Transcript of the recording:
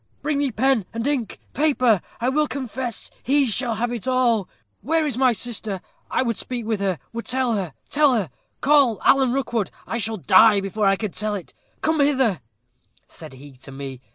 Bring me pen and ink paper I will confess he shall have all. Where is my sister? I would speak with her would tell her tell her. Call Alan Rookwood I shall die before I can tell it. Come hither,' said he to me.